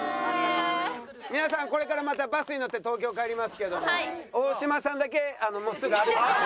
皆さんこれからまたバスに乗って東京帰りますけども大島さんだけもうすぐ歩いて帰れる。